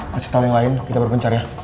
kasih tau yang lain kita berpencar ya